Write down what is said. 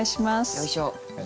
よいしょ。